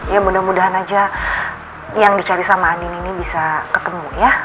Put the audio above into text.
ya mudah mudahan aja yang dicari sama andin ini bisa ketemu ya